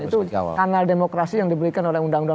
itu kanal demokrasi yang diberikan oleh undang undang